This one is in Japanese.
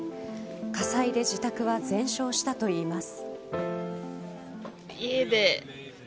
火災で自宅は全焼したといいます。